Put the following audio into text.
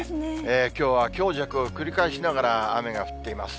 きょうは強弱を繰り返しながら、雨が降っています。